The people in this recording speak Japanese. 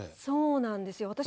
そうなんですよ。